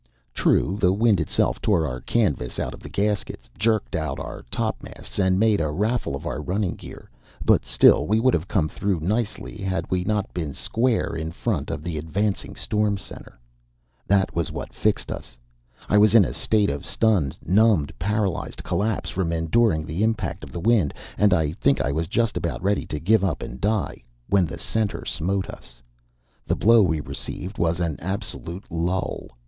True, the wind itself tore our canvas out of the gaskets, jerked out our topmasts, and made a raffle of our running gear, but still we would have come through nicely had we not been square in front of the advancing storm center. That was what fixed us. I was in a state of stunned, numbed, paralyzed collapse from enduring the impact of the wind, and I think I was just about ready to give up and die when the center smote us. The blow we received was an absolute lull.